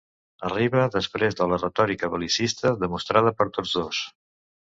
Arriba després de la retòrica bel·licista demostrada per tots dos.